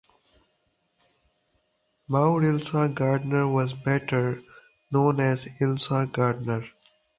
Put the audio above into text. Maude Elsa Gardner was better known as Elsa Gardner.